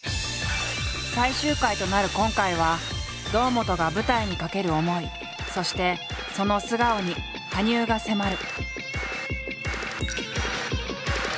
最終回となる今回は堂本が舞台にかける思いそしてその素顔に羽生が迫る。